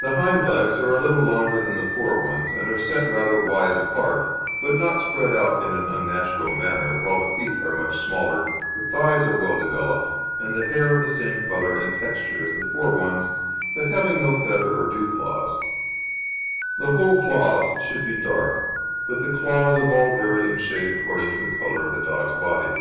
The hind legs are a little longer than the fore ones, and are set rather wide apart, but not spread out in an unnatural manner, while the feet are much smaller, the thighs are well developed, and the hair of the same colour and texture as the fore ones, but having no feather or dew claws; the whole claws should be dark; but the claws of all vary in shade according to the colour of the dog's body.